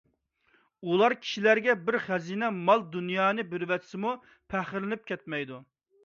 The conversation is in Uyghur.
ئۇلار كىشىلەرگە بىر خەزىنە مال – دۇنيانى بېرىۋەتسىمۇ پەخىرلىنىپ كەتمەيدۇ.